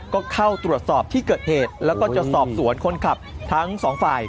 ก็เข้าตรวจสอบที่เกิดเหตุแล้วก็จะสอบสวนคนขับทั้งสองฝ่าย